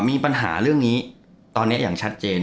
มีปัญหาเรื่องนี้ตอนนี้อย่างชัดเจน